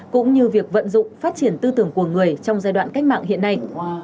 cũng như việc vận dụng phát triển tư tưởng của người trong giai đoạn cách mạng hiện nay